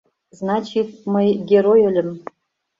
Значит, мый герой ыльым.